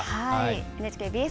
ＮＨＫＢＳ